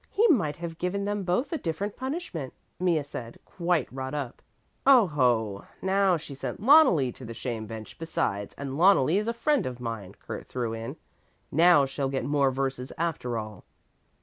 He might have given them both a different punishment," Mea said, quite wrought up. "Oho! Now she sent Loneli to the shame bench besides, and Loneli is a friend of mine!" Kurt threw in. "Now she'll get more verses after all."